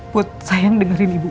put sayang dengerin ibu